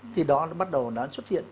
thì đó bắt đầu nó xuất hiện